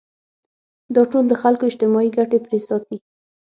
دا ټول د خلکو اجتماعي ګټې پرې ساتي.